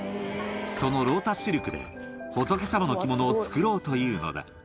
そのロータスシルクで仏様の着物を作ろうというのだ。